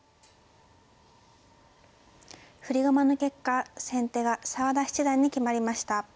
振り駒の結果先手が澤田七段に決まりました。